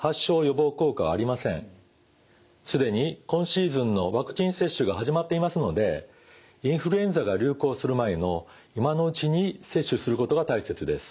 既に今シーズンのワクチン接種が始まっていますのでインフルエンザが流行する前の今のうちに接種することが大切です。